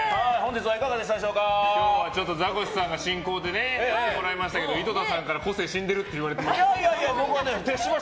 今日はザコシさんに進行をやってもらいましたが井戸田さんから個性死んでるって言われて。